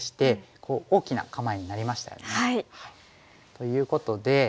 ということで。